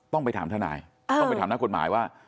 ต้องไปถามทนายต้องไปถามนักกฎหมายว่า